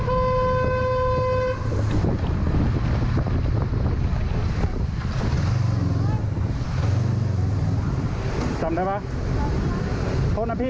ไปจับไว้จับไว้